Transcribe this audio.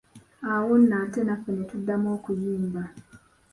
Awo nno ate naffe netuddamu okuyimba.